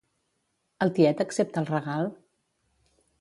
El tiet accepta el regal?